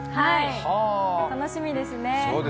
楽しみですね。